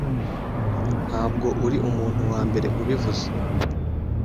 Ntabwo uri umuntu wambere ubivuze.